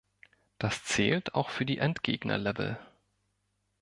Das zählt auch für die Endgegner-Level.